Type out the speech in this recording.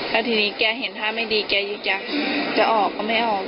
แล้วทีนี้แกเห็นท่าไม่ดีแกจะออกก็ไม่ออก